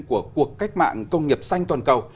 của cuộc cách mạng công nghiệp xanh toàn cầu